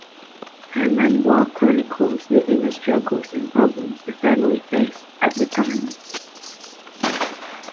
Her memoir chronicles the inner struggles and problems the family faced at the time.